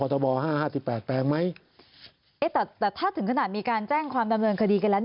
แต่ถ้าถึงขนาดมีการแจ้งความดำเนินคดีกันแล้ว